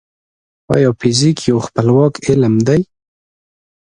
ايا فزيک يو خپلواک علم دی؟